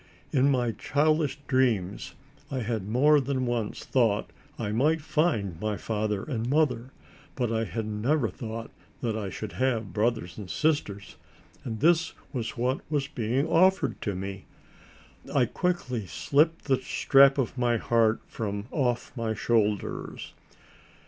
In my childish dreams I had more than once thought I might find my father and mother, but I had never thought that I should have brothers and sisters! And this was what was being offered to me. I quickly slipped the strap of my harp from off my shoulders.